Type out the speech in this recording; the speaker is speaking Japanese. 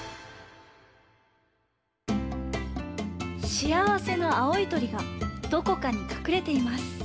しあわせの青い鳥がどこかにかくれています。